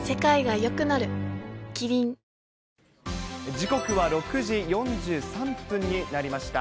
時刻は６時４３分になりました。